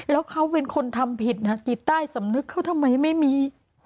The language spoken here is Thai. แล้วเขาเป็นคนทำผิดนะจิตใต้สำนึกเขาทำไมไม่มี